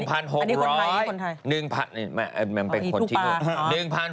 อันนี้คนไทยคนไทย